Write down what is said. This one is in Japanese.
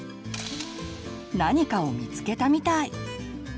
何かを見つけたみたい。